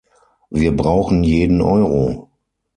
Wir brauchen jeden Euro.